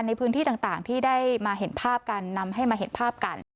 ในพื้นที่ต่างที่ได้มาเห็นภาพกันนำให้มาเห็นภาพกัน